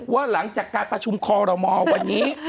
ว่าหลังจากการประชุมคอรมอลวันนี้